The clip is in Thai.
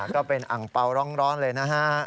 ก็เป็นอังเปล่าร้อนเลยนะฮะ